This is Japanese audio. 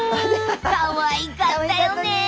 かわいかったよね。